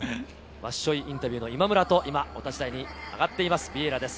ワッショイインタビューの今村と、今お立ち台に上がっているビエイラです。